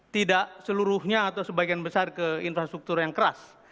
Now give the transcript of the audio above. tidak seluruhnya atau sebagian besar ke infrastruktur yang keras